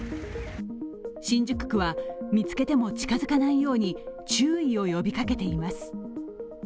新宿区は、見つけても近づかないように注意を呼びかけています。